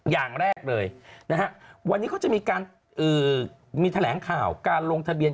อย่างแรกเลยวันนี้เขาจะมีแถลงข่าวการลงทะเบียน